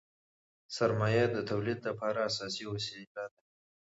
سرمایه د تولید لپاره اساسي وسیله ده.